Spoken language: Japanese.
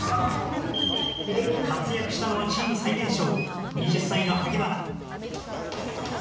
活躍したのは、チーム最年少、２０歳の萩原。